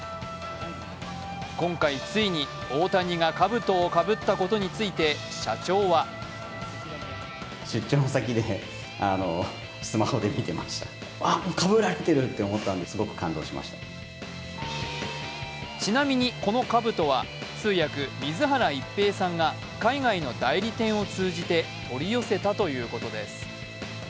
今回ついに大谷がかぶとをかぶったことについて、社長はちなみに、このかぶとは通訳・水原一平さんが海外の代理店を通じて取り寄せたということです。